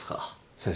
先生。